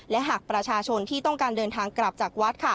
และหากประชาชนที่ต้องการเดินทางกลับจากวัด